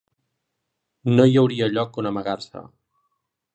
No hi hauria lloc on amagar-se.